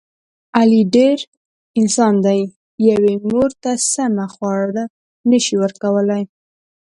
علي ډېر..... انسان دی. یوې مور ته سمه خواړه نشي ورکولی.